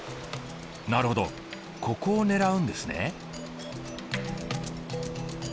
なるほどここを狙うんですね。